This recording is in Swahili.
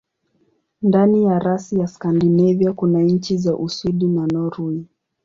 Ndani ya rasi ya Skandinavia kuna nchi za Uswidi na Norwei.